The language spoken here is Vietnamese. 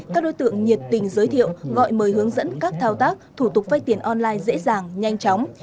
các đối tượng nhiệt tình giới thiệu gọi mời hướng dẫn các thao tác thủ tục vay tiền online dễ dàng nhanh chóng